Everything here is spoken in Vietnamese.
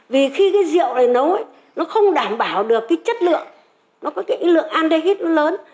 vì khi cái rượu này nấu ấy nó không đảm bảo được cái chất lượng nó có cái lượng andhid nó lớn